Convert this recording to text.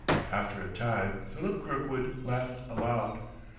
After a time Philip Kirkwood laughed aloud.